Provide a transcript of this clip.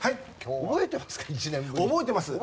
覚えてます。